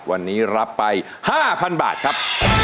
วันนี้รับไป๕๐๐๐บาทครับ